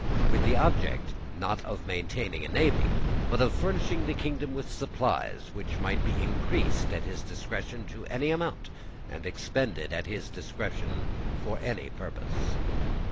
With the object, not of maintaining a navy, but of furnishing the King with supplies which might be increased at his discretion to any amount, and expended at his discretion for any purpose.